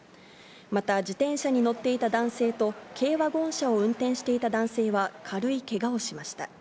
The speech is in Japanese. また、自転車に乗っていた男性と、軽ワゴン車を運転していた男性は、軽いけがをしました。